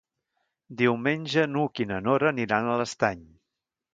Diumenge n'Hug i na Nora aniran a l'Estany.